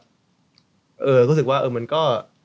รู้สึกว่ามันก็